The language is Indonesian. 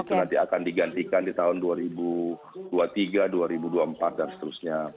itu nanti akan digantikan di tahun dua ribu dua puluh tiga dua ribu dua puluh empat dan seterusnya